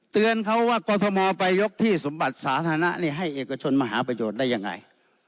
เตือนเขาว่ากรทมไปยกที่สมบัติสาธารณะนี่ให้เอกชนมาหาประโยชน์ได้ยังไง